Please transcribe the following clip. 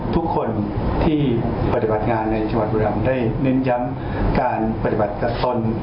ทุกคนที่ปฏิบัติงานในจังหวัดบุรีรำได้เน้นย้ำการปฏิบัติกับตน